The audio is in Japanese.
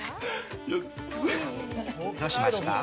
どうしました？